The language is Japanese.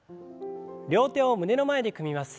両手を胸の前で組みます。